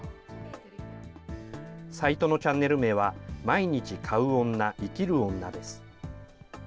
サイトのチャンネル名は、毎日買う女、生きる女です。